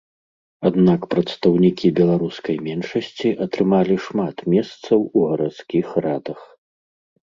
Аднак прадстаўнікі беларускай меншасці атрымалі шмат месцаў у гарадскіх радах.